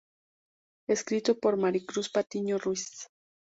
Escrito por Maricruz Patiño Ruiz.